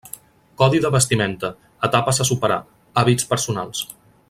Codi de vestimenta, etapes a superar, hàbits personals.